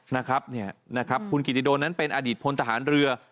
นะครับคุณกิตติดลนั้นเป็นอดีตพลทหารเรือ